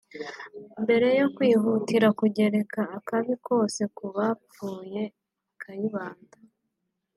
Mbere yo kwihutira kugereka akabi kose ku bapfuye (Kayibanda